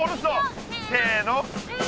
せの。